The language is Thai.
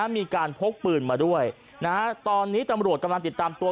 มีการพกปืนมาด้วยตอนนี้ตำรวจกำลังติดตามตัว